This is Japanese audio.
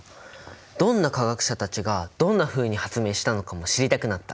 どんな科学者たちがどんなふうに発明したのかも知りたくなった。